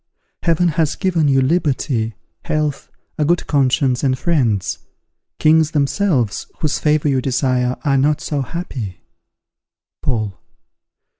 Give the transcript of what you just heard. Heaven has given you liberty, health, a good conscience, and friends; kings themselves, whose favour you desire, are not so happy. _Paul.